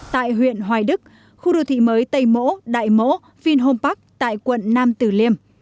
tại huyện hoài đức khu đô thị mới tây mỗ đại mỗ vinh hôm bắc tại quận nam tử liêm